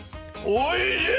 おいしい。